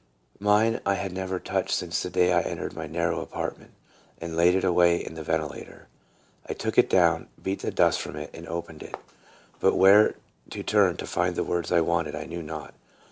Mine I had never touched since the day I entered my narrow apartment, and laid it SEARCHING FOR TRUTH. 21 away in the ventilator. I took it down, beat the dust from it, and opened it. But where to turn to find the words I wanted I knew not.